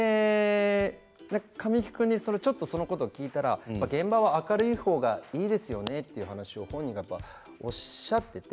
神木君にちょっとそのことを聞いたら現場は明るい方がいいですよねっていう話を本人がやっぱりおっしゃっていて。